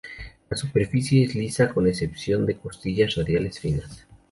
La superficie es lisa, con excepción de costillas radiales finas.